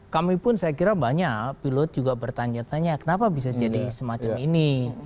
kami pun saya kira banyak pilot juga bertanya tanya kenapa bisa jadi semacam ini